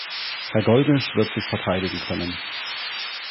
Herr Gollnisch wird sich verteidigen können.